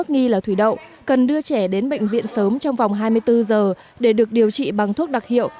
nghi là thủy đậu cần đưa trẻ đến bệnh viện sớm trong vòng hai mươi bốn giờ để được điều trị bằng thuốc đặc hiệu